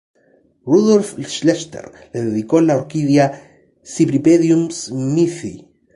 Rudolf Schlechter le dedicó la orquídea "Cypripedium smithii"